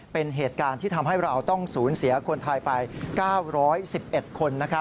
เป็นเหตุการณ์ที่ทำให้เราต้องสูญเสียคนไทยไป๙๑๑คน